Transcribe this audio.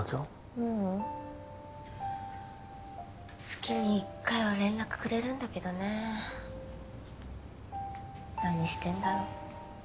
ううん月に一回は連絡くれるんだけどね何してんだろう